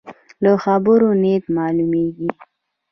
له خبرو نیت معلومېږي.